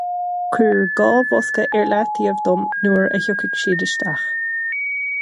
Cuir dhá bhosca ar leataoibh dom nuair a thiocfaidh siad isteach.